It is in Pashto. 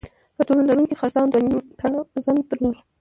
کڅوړه لرونکو خرسانو دوه نیم ټنه وزن درلود.